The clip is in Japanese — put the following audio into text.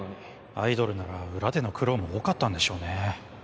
アイドルなら裏での苦労も多かったんでしょうね